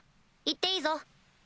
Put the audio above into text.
行っていいぞ。